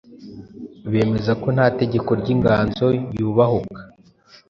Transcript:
bemeza ko nta tegeko ry'inganzo yubahuka.